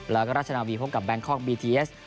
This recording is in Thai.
แล้วก็ราชนาวีพบกับแบงคอกบีทีเอส